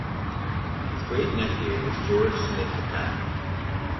His great-nephew was George Smith Patton.